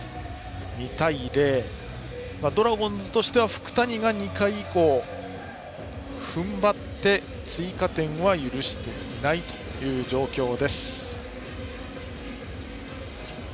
２対０、ドラゴンズは福谷が２回以降踏ん張って追加点は許していない状況です。